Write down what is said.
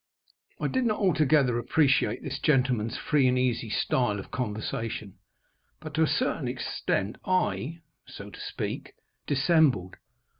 I did not altogether appreciate this gentleman's free and easy style of conversation. But to a certain extent I, so to speak, dissembled.